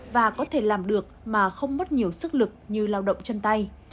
và có thể làm được mà không mất nhiều sức lực như lao động chân tay